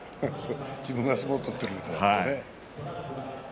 自分が相撲を取っているみたいだったよね。